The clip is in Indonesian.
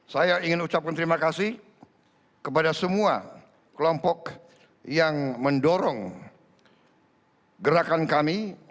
saya ingin ucapkan terima kasih kepada semua kelompok yang mendorong gerakan kami